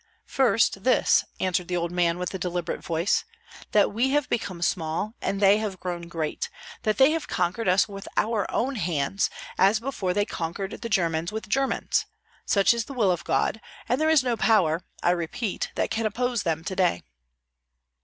"First, this," answered the old man, with a deliberate voice, "that we have become small and they have grown great; that they have conquered us with our own hands, as before now they conquered the Germans with Germans. Such is the will of God; and there is no power, I repeat, that can oppose them to day."